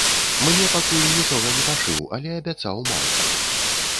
Мне пакуль нічога не пашыў, але абяцаў майку.